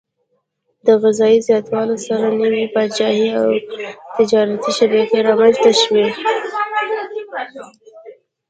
د غذايي زیاتوالي سره نوي پاچاهي او تجارتي شبکې رامنځته شوې.